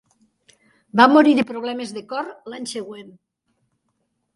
Va morir de problemes de cor l"any següent.